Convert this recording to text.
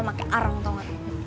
pakai arang tau gak